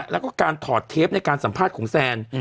แล้วก็การถอดเทปในการสัมภาษณ์ของแซน